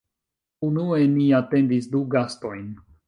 Unue ni atendis du gastojn